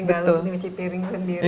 gak harus nyuci piring sendiri